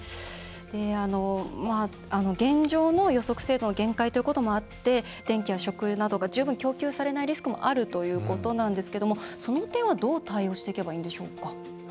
現状の予測精度の限界ということもあって電気や食などが十分供給されないリスクもあるということなんですがその点はどう対応していけばいいんでしょうか。